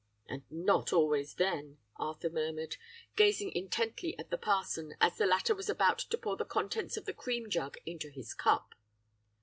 "'And not always then,' Arthur murmured, gazing intently at the parson as the latter was about to pour the contents of the cream jug into his cup.